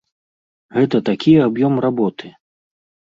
Гэта такі аб'ём работы!